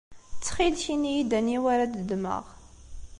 Ttxil-k ini-yi-d aniwa ara d-ddmeɣ.